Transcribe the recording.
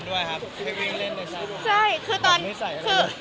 ออกไม่สายอะไรเลย